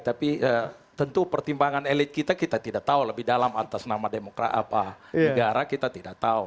tapi tentu pertimbangan elit kita kita tidak tahu lebih dalam atas nama demokrat apa negara kita tidak tahu